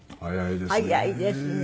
早いですね。